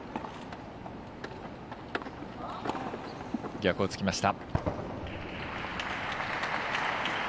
逆をつきました。